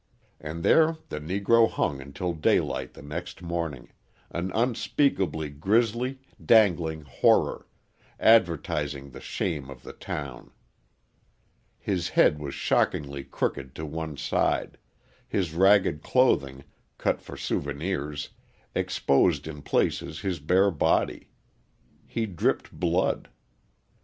And there the Negro hung until daylight the next morning an unspeakably grizzly, dangling horror, advertising the shame of the town. His head was shockingly crooked to one side, his ragged clothing, cut for souvenirs, exposed in places his bare body: he dripped blood.